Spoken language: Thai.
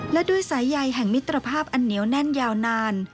และด้วยสายใยแห่งมิตรภาพอันเหนียวแน่นยาวนาน